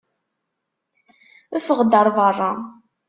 Ffeɣ-d ar beṛṛa!